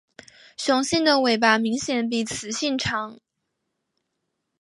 雄性的尾巴明显比雌性长。